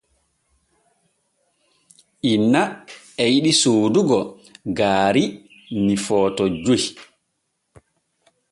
Inna e yiɗi soodugo gaari ni Footo joy.